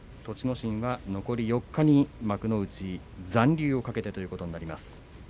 心は残り４日に幕内残留をかけてということになります。